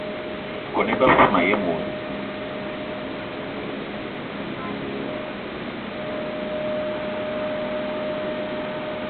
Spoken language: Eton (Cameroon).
Kone iba besse mayen woe.